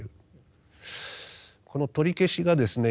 この取り消しがですね